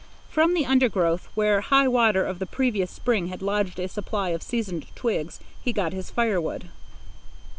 From the undergrowth, where high water of the previous spring had lodged a supply of seasoned twigs, he got his firewood.